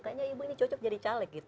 kayaknya ibu ini cocok jadi caleg gitu